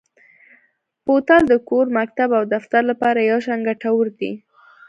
بوتل د کور، مکتب او دفتر لپاره یو شان ګټور دی.